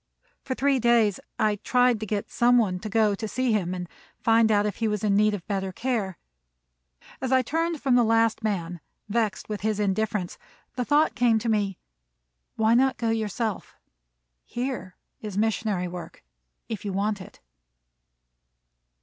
For three days I tried to get some one to go to see him and find out if he was in need of better care. As I turned from the last man, vexed with his indifference, the thought came to me: "Why not go yourself? Here is missionary work, if you want it."